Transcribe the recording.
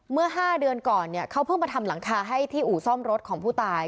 เมื่อ๕เดือนก่อนเนี่ยเขาเพิ่งมาทำหลังคาให้ที่อู่ซ่อมรถของผู้ตาย